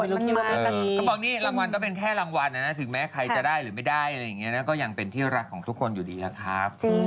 กระบองนี้รางวัลและเป็นแค่รางวัลนั้นถึงแม้ใครจะได้หรือไม่ได้ก็ยังเป็นที่รักของทุกคนอย่าดีนะครับ